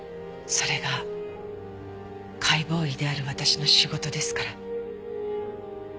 それが解剖医である私の仕事ですから。